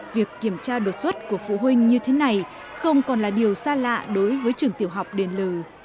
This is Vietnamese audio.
việc kiểm tra đột xuất của phụ huynh như thế này không còn là điều xa lạ đối với trường tiểu học đền lừ